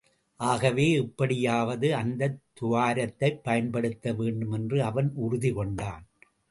ஆகவே, எப்படியாவது அந்தத் துவாரத்தைப் பயன்படுத்த வேண்டுமென்று அவன் உறுதிகொண்டான்.